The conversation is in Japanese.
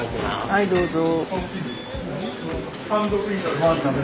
はいどうぞ。